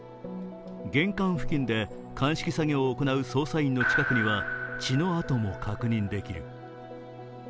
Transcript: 玄関付近で鑑識作業を行う捜査員の近くには血のあとも確認できる。